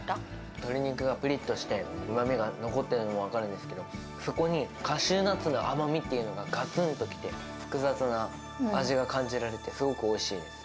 鶏肉がぷりっとして、うまみが残ってるのも分かるんですけど、そこにカシューナッツの甘みっていうのが、がつんと来て、複雑な味が感じられて、すごくおいしいです。